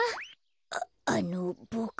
ああのボク。